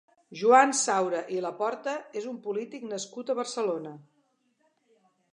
Joan Saura i Laporta és un polític nascut a Barcelona.